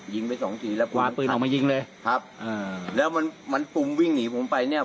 ยิงไปสองทีแล้วคว้าปืนออกมายิงเลยครับอ่าแล้วมันมันปุ่มวิ่งหนีผมไปเนี่ย